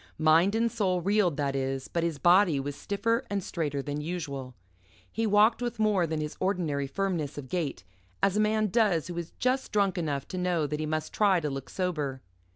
Mind and soul reeled, that is, but his body was stiffer and straighter than usual. He walked with more than his ordinary firmness of gait, as a man does who is just drunk enough to know that he must try to look sober.